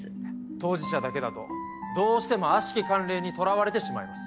当事者だけだとどうしても悪しき慣例にとらわれてしまいます。